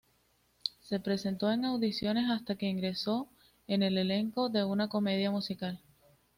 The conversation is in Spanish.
Se presentó en audiciones hasta que ingresó en el elenco de una comedia musical.